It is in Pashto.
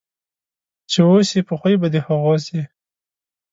چې اوسې په خوی په د هغو سې.